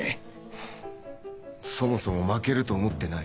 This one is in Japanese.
ハァそもそも負けると思ってない。